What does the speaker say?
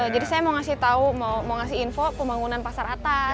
jadi saya mau kasih tahu mau kasih info pembangunan pasar atas